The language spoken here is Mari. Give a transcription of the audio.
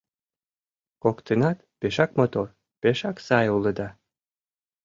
— Коктынат пешак мотор, пешак сай улыда.